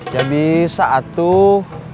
ya bisa tuh